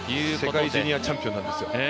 世界ジュニアチャンピオンなんですよ。